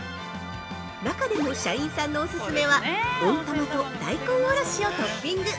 中でも、社員さんのオススメは温玉と大根おろしをトッピング。